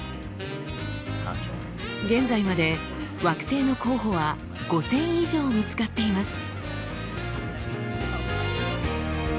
現在まで惑星の候補は５，０００以上見つかっています。